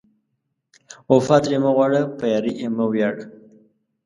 وفا ترې مه غواړه، په یارۍ یې مه ویاړه